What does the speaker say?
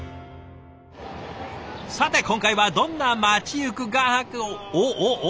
さて今回はどんな街行く画伯おっおっおお？